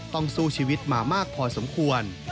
ต้องสู้ชีวิตมามากพอสมควร